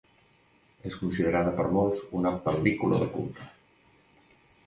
És considerada per molts una pel·lícula de culte.